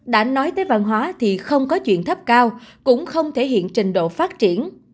đã nói tới văn hóa thì không có chuyện thấp cao cũng không thể hiện trình độ phát triển